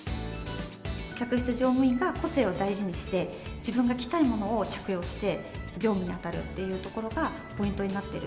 客室乗務員が個性を大事にして、自分が着たいものを着用して業務に当たるっていうところがポイントになっている。